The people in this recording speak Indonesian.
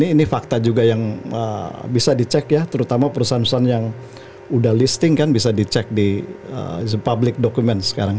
ini fakta juga yang bisa dicek ya terutama perusahaan perusahaan yang sudah listing kan bisa dicek di public document sekarang